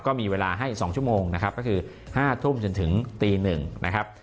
ก็มีเวลาให้๒ชั่วโมงนะครับก็คือ๕ทุ่มจนถึงตี๑นะครับ